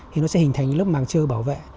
thì nó sẽ hình thành lớp màng trơ bảo vệ